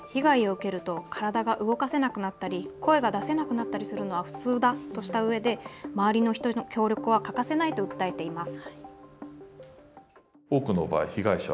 岸本弁護士も被害を受けると体が動かせなくなったり声を出せなくなったりするのは普通だとしたうえで周りの人への協力は欠かせないと訴えています。